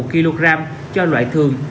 một kg cho loại thường